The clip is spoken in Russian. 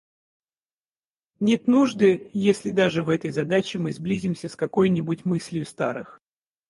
Нет нужды, если даже в этой задаче мы сблизимся с какой-нибудь мыслью старых.